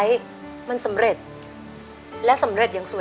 ยังไม่มีให้รักยังไม่มี